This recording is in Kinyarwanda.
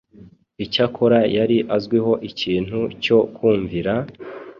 Icyakora yari azwiho ikintu cyo kumvira,